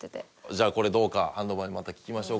じゃあこれどうかハンドマンにまた聞きましょうか。